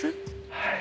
はい。